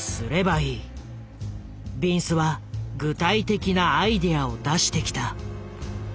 ビンスは具体的なアイデアを出してきた。